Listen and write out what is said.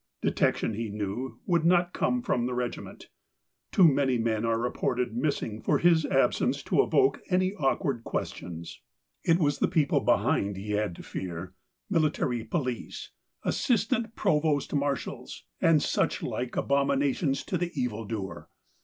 Detection, he knew, would not come from the regiment. Too many men are reported missing for his absence to evoke any awkward questions. It was the people behind he had to fear, military police, assistant provost marshals, and such like abominations to the evil doer.